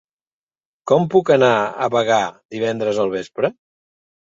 Com puc anar a Bagà divendres al vespre?